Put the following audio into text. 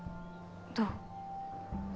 どう？